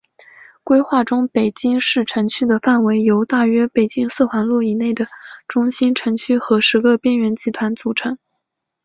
规划中北京市城区的范围由大约北京四环路以内的中心城区和十个边缘集团组成。